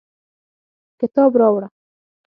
کتاب راوړه